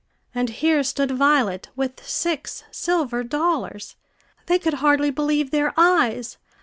And here stood Violet with six silver dollars! They could hardly believe their eyes.